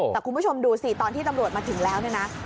แต่คุณผู้ชมดูสิตอนที่ตำรวจมาถึงแล้วเนี่ยนะ